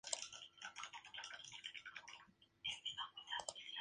Nació en un hogar humilde en el barrio porteño de Boedo.